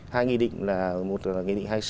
hai nghị định là một là nghị định hai mươi sáu